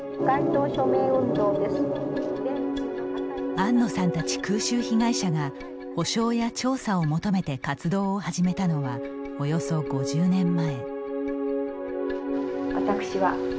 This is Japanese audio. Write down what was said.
安野さんたち空襲被害者が補償や調査を求めて活動を始めたのはおよそ５０年前。